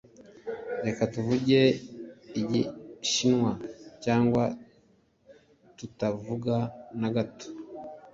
Reka tuvuge Igishinwa, cyangwa tutavuga na gato.